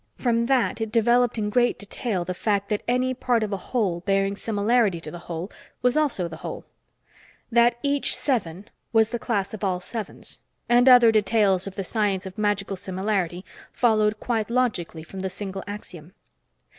From that it developed in great detail the fact that any part of a whole bearing similarity to the whole was also the whole; that each seven was the class of all sevens; and other details of the science of magical similarity followed quite logically from the single axiom.